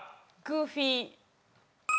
グーフィー。